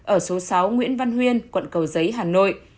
ở số sáu nguyễn văn huyên quận cầu giấy hà nội